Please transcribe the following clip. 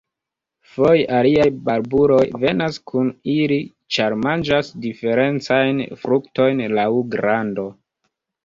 Foje aliaj barbuloj venas kun ili, ĉar manĝas diferencajn fruktojn laŭ grando.